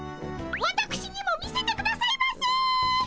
わたくしにも見せてくださいませ。